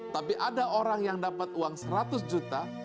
tapi ada orang yang dapat uang seratus juta